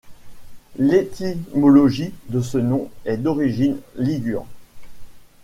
L'étymologie de ce nom est d'origine ligure.